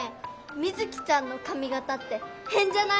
ミズキちゃんのかみがたってへんじゃない？